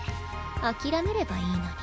諦めればいいのに。